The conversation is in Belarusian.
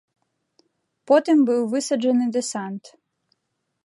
Потым быў высаджаны дэсант.